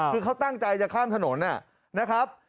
คือเขาตั้งใจจะข้ามถนนนะครับ